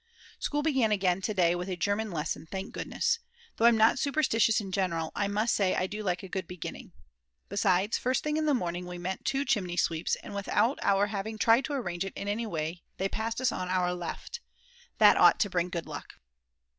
School began again to day, with a German lesson thank goodness. Though I'm not superstitious in general, I must say I do like a good beginning. Besides, first thing in the morning we met two chimneysweeps, and without our having tried to arrange it in any way they passed us on our left. That ought to bring good luck.